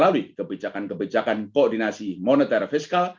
dengan kebijakan koordinasi moneter fiskal